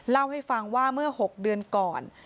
เล่าให้ฟังว่าเมื่อ๖เดือนก่อน